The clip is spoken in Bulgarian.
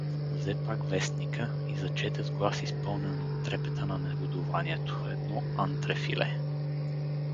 взе пак вестника и зачете с глас изпълнен от трепета на негодуванието, едно антрефиле.